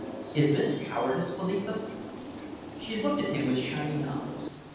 Is this cowardice, Philippa?" She looked at him with shining eyes.